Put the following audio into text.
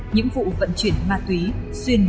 những vụ vận chuyển ma túy xuyên màn đêm